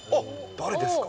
誰ですか？